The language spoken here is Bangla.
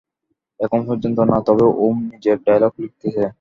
এখন পর্যন্ত না, তবে ওম নিজের ডায়লগ লিখতেছে।